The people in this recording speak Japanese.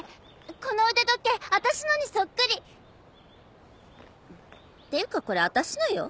この腕時計私のにそっくり！っていうかこれ私のよ。